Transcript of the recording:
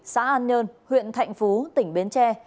xã an nhơn huyện thạnh phú tỉnh bến tre